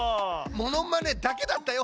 モノマネだけだったよ